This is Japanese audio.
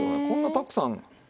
こんなたくさん。